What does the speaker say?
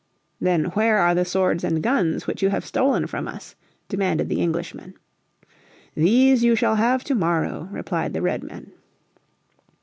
"Then where are the swords and guns which you have stolen from us?" demanded the Englishmen. "These you shall have to morrow," replied the Redmen.